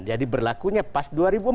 jadi berlakunya pas dua ribu empat belas